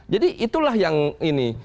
jadi itulah yang ini